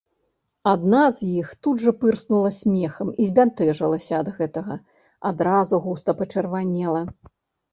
Адна з іх тут жа пырснула смехам і збянтэжылася ад гэтага, адразу густа пачырванела.